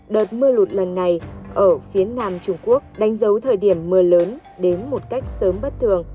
đợt mưa lụt lần này ở phía nam trung quốc đánh dấu thời điểm mưa lớn đến một cách sớm bất thường